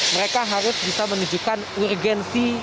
mereka harus bisa menunjukkan urgensi